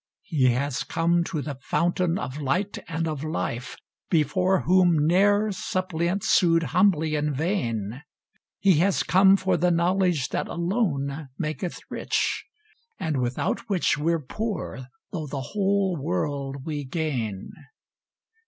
He has come to the fountain of light and of life, Before whom ne'er suppliant sued humbly in vain; He has come for the knowledge that alone maketh rich, And without which we're poor, though the whole world we gain.